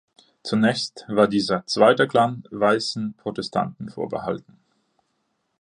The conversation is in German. Zunächst war dieser zweite Klan weißen Protestanten vorbehalten.